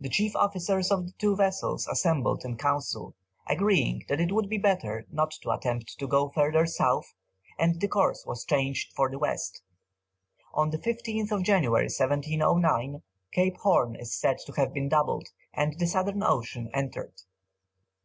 The chief officers of the two vessels assembled in council, agreed that it would be better not to attempt to go further south, and the course was changed for the west. On the 15th January, 1709, Cape Horn is said to have been doubled, and the southern ocean entered.